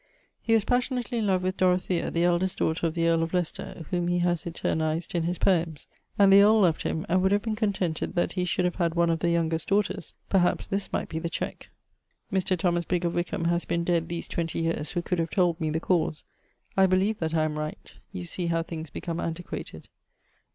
He was passionately in love with Dorothea, the eldest daughter of the earle of Leicester[CJ], whom he haz eternized in his poems: and the earle loved him, and would have been contented that he should have had one of the youngest daughters; perhaps this might be the check[XCII.]. [XCII.] Mr. Thomas Big of Wickham haz been dead these 20 yeares, who could have told me the cause. I beleeve that I am right. You see how things become antiquated.